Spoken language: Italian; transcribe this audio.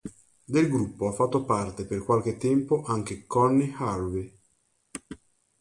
Del gruppo ha fatto parte per qualche tempo anche Connie Harvey.